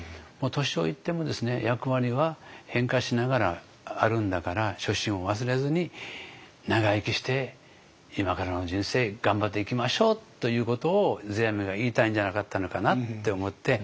年老いても役割は変化しながらあるんだから初心を忘れずに長生きして今からの人生頑張っていきましょうということを世阿弥が言いたいんじゃなかったのかなって思って。